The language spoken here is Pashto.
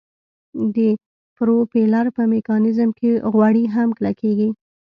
د پروپیلر په میکانیزم کې غوړي هم کلکیږي